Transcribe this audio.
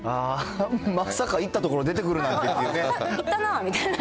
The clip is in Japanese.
まさか行った所、出てくるなんてっていうね。